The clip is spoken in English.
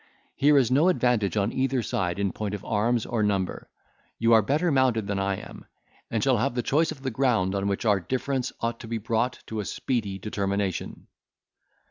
Here is no advantage on either side, in point of arms or number; you are better mounted than I am, and shall have the choice of the ground on which our difference ought to be brought to a speedy determination."